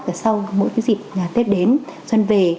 và sau mỗi cái dịp tết đến xuân về